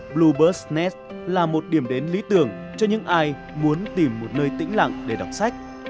blue bus net là một điểm đến lý tưởng cho những ai muốn tìm một nơi tĩnh lặng để đọc sách